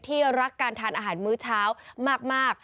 รักการทานอาหารมื้อเช้ามาก